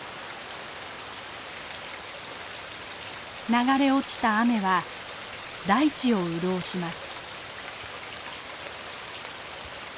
流れ落ちた雨は大地を潤します。